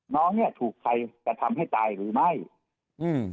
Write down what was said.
น้องเนี้ยถูกใครกระทำให้ตายหรือไม่อืม